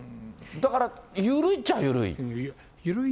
だから緩いっちゃ緩い。